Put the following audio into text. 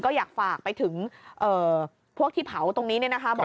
ก็อยากฝากไปถึงพวกที่เผาตรงนี้เนี่ยนะคะ